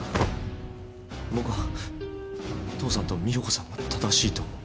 僕は父さんと美保子さんが正しいと思う。